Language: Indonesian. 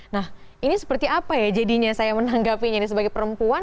nah ini seperti apa ya jadinya saya menanggapinya ini sebagai perempuan